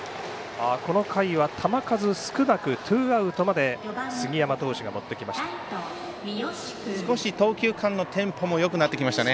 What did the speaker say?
この回は球数少なくツーアウトまで杉山投手がもってきました。